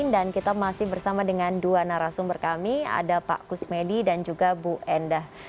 dan kita masih bersama dengan dua narasumber kami pak kusmedi dan juga bu endah